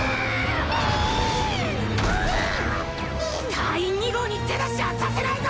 隊員２号に手出しはさせないぞ！